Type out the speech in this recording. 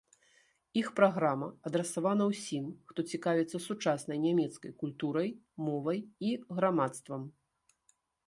Іх праграма адрасавана ўсім, хто цікавіцца сучаснай нямецкай культурай, мовай і грамадствам.